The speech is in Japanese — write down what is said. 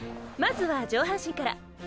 まずは上半身から。